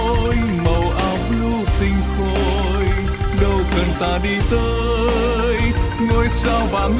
ôi màu áo blue tinh khôi đâu cần ta đi tới ngôi sao vàng